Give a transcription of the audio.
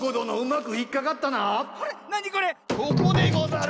ここでござる！